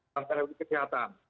dalam teknologi kesehatan